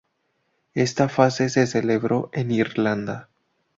Esta fase se celebró en Irlanda.